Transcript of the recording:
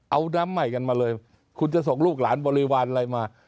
เอาน้ำใหม่กันมาเลยคุณจะส่งลูกหลานบริวารอะไรมา